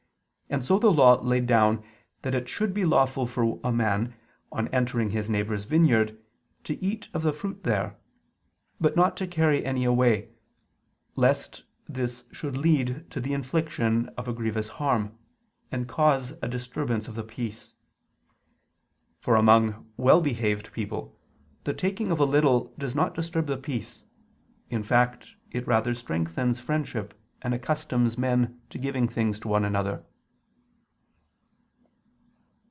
And so the Law laid down that it should be lawful for a man, on entering his neighbor's vineyard, to eat of the fruit there: but not to carry any away, lest this should lead to the infliction of a grievous harm, and cause a disturbance of the peace: for among well behaved people, the taking of a little does not disturb the peace; in fact, it rather strengthens friendship and accustoms men to give things to one another.